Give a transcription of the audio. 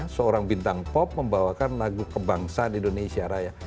seorang bintang pop membawakan lagu kebangsaan indonesia raya